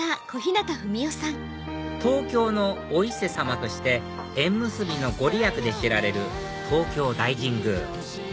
東京のお伊勢さまとして縁結びの御利益で知られる東京大神宮